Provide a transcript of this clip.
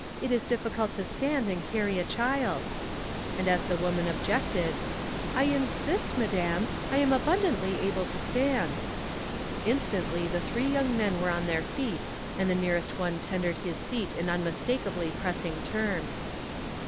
It is difficult to stand and carry a child," and, as the woman ob jected, " I insist, madam. I am abundantly able to stand." Instantly the three young men were on their feet, and the nearest one tendered his seat in unmistakably pressing terms.